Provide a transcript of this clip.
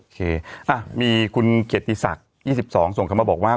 โอเคมีคุณเขติศักดิ์๒๒ส่งคำมาบอกว่า